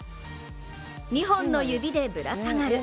２本の指でぶら下がる。